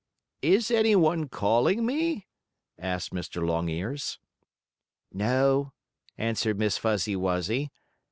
"Is any one calling me?" asked Mr. Longears. "No," answered Miss Fuzzy Wuzzy.